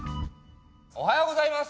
おはようございます。